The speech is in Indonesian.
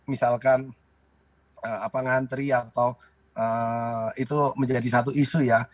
itu kan ngantri atau itu menjadi satu isu ya